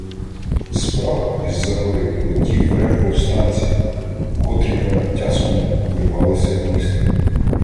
Справа, із-за гори, долетів рев повстанців, котрі понад Тясмином увірвалися в місто.